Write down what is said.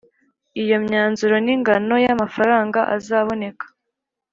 iyo myanzuro n'ingano y' amafaranga azaboneka.